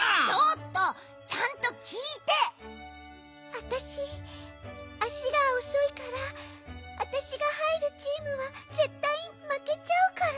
あたしあしがおそいからあたしがはいるチームはぜったいまけちゃうから。